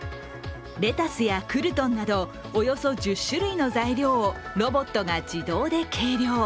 レタスやクルトンなどおよそ１０種類の材料をロボットが自動で計量。